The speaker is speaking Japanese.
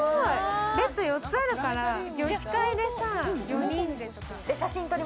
ベッド４つあるから、女子会で４人で。